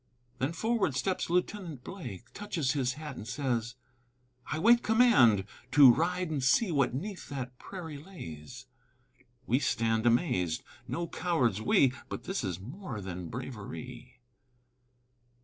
Then forward steps Lieutenant Blake, Touches his hat, and says, "I wait command to ride and see What 'neath that prairie lays." We stand amazed: no cowards, we: But this is more than bravery!